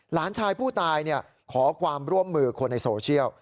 หลานชายผู้ตายขอความร่วมมือคนในโซเชียล